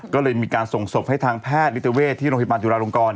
ก็เลยมีการส่งศพให้ทางแพทย์นิติเวศที่โรงพยาบาลจุฬาลงกร